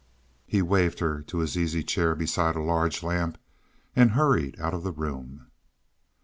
He waved her to his easy chair beside a large lamp, and hurried out of the room.